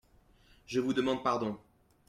Je vous demande pardon.